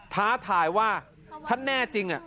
ท้าทายว่าถ้าแน่จริง